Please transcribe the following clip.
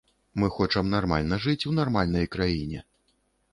Мы хочам нармальна жыць у нармальнай краіне.